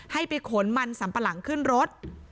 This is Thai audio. ให้ไปขนมันสัมปะหลังขึ้นรถ